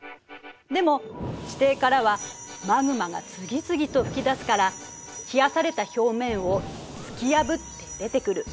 でも地底からはマグマが次々と噴き出すから冷やされた表面を突き破って出てくる。